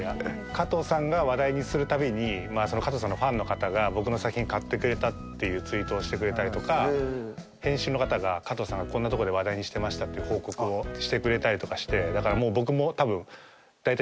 加藤さんが話題にするたびに加藤さんのファンの方が僕の作品買ってくれたっていうツイートをしてくれたりとか編集の方が加藤さんがこんなとこで話題にしてましたていう報告をしてくれたりとかしてだからもう。